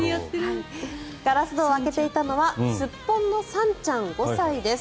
ガラス戸を開けていたのはスッポンのさんちゃん５歳です。